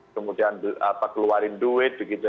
kemudian keluarin duit